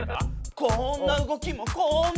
こんな動きもこんな動きも！